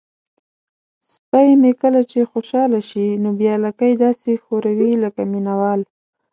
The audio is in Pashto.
سپی مې کله چې خوشحاله شي نو بیا لکۍ داسې ښوروي لکه مینه وال.